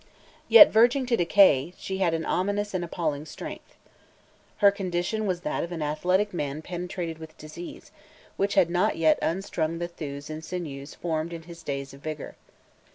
Yet, verging to decay, she had an ominous and appalling strength. Her condition was that of an athletic man penetrated with disease, which had not yet unstrung the thews and sinews formed in his days of vigor.